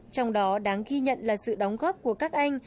trong đó đáng ghi nhận là sự đóng góp của các anh